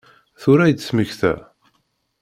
Tura i d-temmekta?